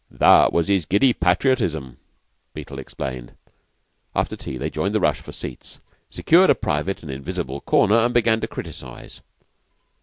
"That was his giddy patriotism," Beetle explained. After tea they joined the rush for seats, secured a private and invisible corner, and began to criticise.